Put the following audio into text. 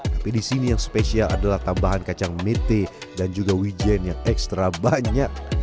tapi di sini yang spesial adalah tambahan kacang mete dan juga wijen yang ekstra banyak